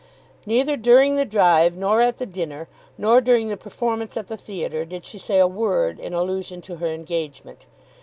Neither during the drive, nor at the dinner, nor during the performance at the theatre, did she say a word in allusion to her engagement.